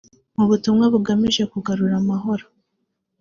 mu butumwa bugamije kugarura amahoro